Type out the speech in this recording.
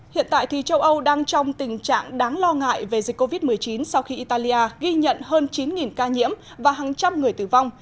hiện tại thì châu âu đang trong tình trạng đáng lo ngại về dịch covid một mươi chín sau khi italia ghi nhận hơn chín ca nhiễm và hàng trăm người tử vong